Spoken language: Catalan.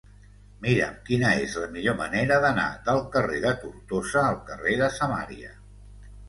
Mira'm quina és la millor manera d'anar del carrer de Tortosa al carrer de Samaria.